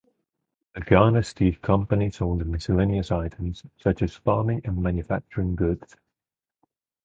The Garner Stave Company sold miscellaneous items, such as farming and manufacturing goods.